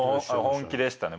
本気でしたね。